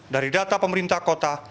dari data pemerintah kota